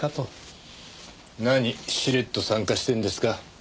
何しれっと参加してんですか。